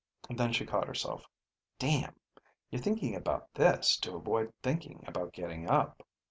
Then she caught herself. Damn, you're thinking this to avoid thinking about getting up.